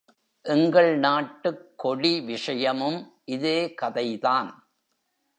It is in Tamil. எங்கள் நாட்டுக் கொடி விஷயமும் இதே கதை தான்!